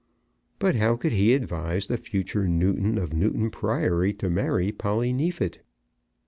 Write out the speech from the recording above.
But how could he advise the future Newton of Newton Priory to marry Polly Neefit?